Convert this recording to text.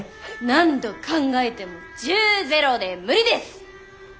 何度考えてもジューゼロで無理です！